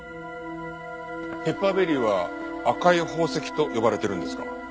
ペッパーベリーは赤い宝石と呼ばれてるんですか？